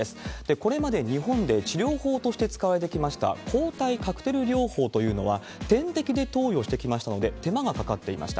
これまで日本で治療法として使われてきました、抗体カクテル療法というのは、点滴で投与してきましたので、手間がかかっていました。